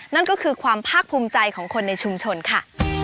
นั่นก็คือความภาคภูมิใจของคนในชุมชนค่ะ